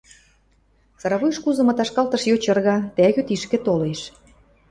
Сарайвуйыш кузымы ташкалтыш йочырга, тӓгӱ тишкӹ толеш.